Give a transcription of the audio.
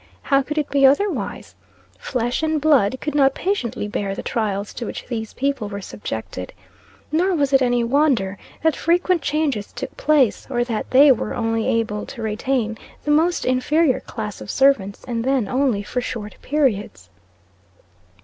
How could it be otherwise? Flesh and blood could not patiently bear the trials to which these people were subjected. Nor was it any wonder, that frequent changes took place, or that they were only able to retain the most inferior class of servants, and then only for short periods.